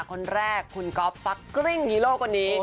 คนแรกคุณก๊อฟฟักกริ้งฮีโร่คนนี้